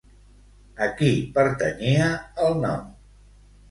A qui pertanyia el nom?